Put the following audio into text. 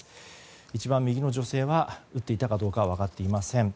一番右の女性は打っていたかどうかは分かっていません。